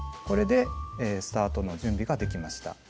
これでスタートの準備ができました。